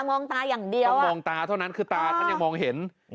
มองตาอย่างเดียวมองตาเท่านั้นคือตาท่านยังมองเห็น